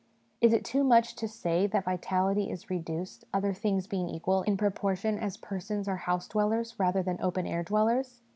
Is it too much to say that vitality is reduced, other things being equal, in proportion as persons are house dwellers rather than open air dwellers?